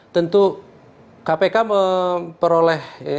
tentu kpk memperolehkan